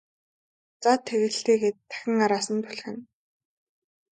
За тэг л дээ гээд дахин араас нь түлхэнэ.